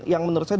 yang menurut saya